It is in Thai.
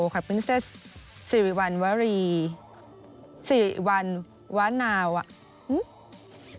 ครับพริเศษสิริวัณวาลีสิริวัณวานาวะหื้อ